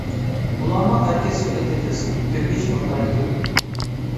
ئۇلارنىڭ ھەرىكەت سۈرئىتى تېز، كۆپىيىش مىقدارى كۆپ.